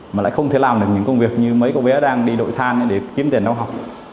mà lại không thể làm được những công việc như mấy cô bé đang đi đội thang để kiếm tiền nó học